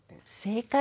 正解！